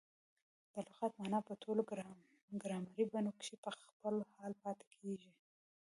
د لغت مانا په ټولو ګرامري بڼو کښي په خپل حال پاته کیږي.